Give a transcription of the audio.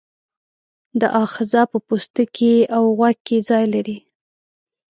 دا آخذه په پوستکي او غوږ کې ځای لري.